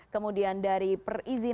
kemudian dari perizinannya ya kan